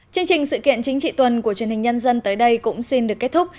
chương trình sự kiện chính trị tuần của truyền hình nhân dân tới đây cũng xin được kết thúc